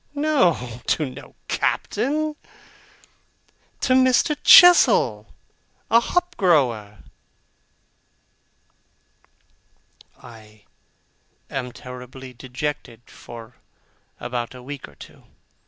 'No; to no Captain. To Mr. Chestle, a hop grower.' I am terribly dejected for about a week or two.